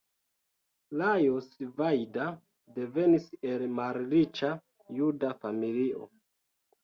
Lajos Vajda devenis el malriĉa juda familio.